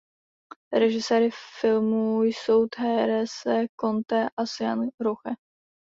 Režiséry filmu jsou Therese Conte a Sean Roche.